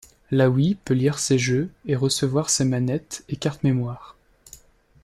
La Wii peut lire ses jeux et recevoir ses manettes et cartes mémoires.